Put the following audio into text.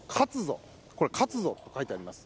勝つぞ！と書いてあります。